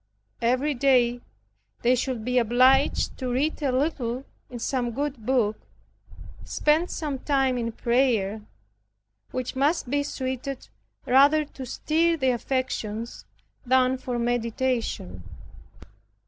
Every day they should be obliged to read a little in some good book, spend some time in prayer, which must be suited rather to stir the affections, than for meditation.